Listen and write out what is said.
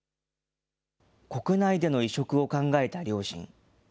国内での移植を考えた両親。